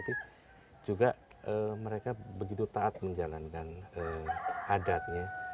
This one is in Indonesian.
tapi juga mereka begitu taat menjalankan adatnya